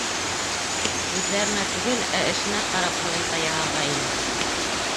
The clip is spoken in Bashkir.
Һүҙҙәренә түгел, ә эшенә ҡарап һығымта яһарға ине.